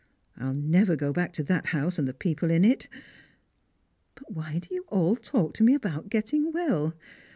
I will never go back to that house and the people in it. But why do you all talk to me about getting well